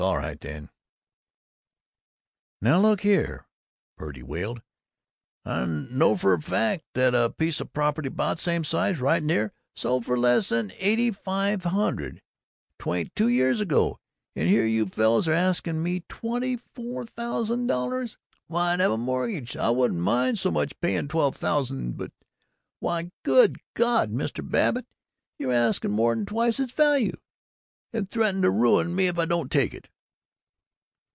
All right then " "Now look here!" Purdy wailed. "I know f'r a fact that a piece of property 'bout same size, right near, sold for less 'n eighty five hundred, 'twa'n't two years ago, and here you fellows are asking me twenty four thousand dollars! Why, I'd have to mortgage I wouldn't mind so much paying twelve thousand but Why good God, Mr. Babbitt, you're asking more 'n twice its value! And threatening to ruin me if I don't take it!"